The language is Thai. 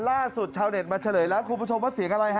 ล่าสุดชาวเน็ตมาเฉลยแล้วคุณผู้ชมว่าเสียงอะไรฮะ